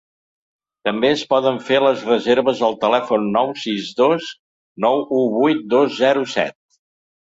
També es poden fer les reserves al telèfon nou sis dos nou u vuit dos zero set.